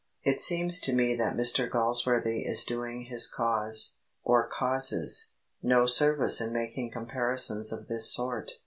It seems to me that Mr Galsworthy is doing his cause, or causes, no service in making comparisons of this sort.